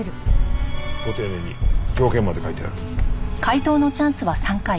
ご丁寧に条件まで書いてある。